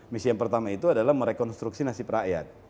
misi yang pertama itu adalah merekonstruksi nasib rakyat